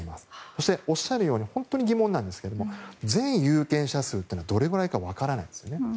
そして、おっしゃるように本当に疑問なんですが全有権者数がどれくらいか分からないんですね。